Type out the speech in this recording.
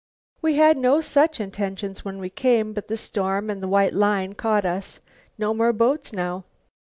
"We had no such intentions when we came, but the storm and the white line caught us. No more boats now."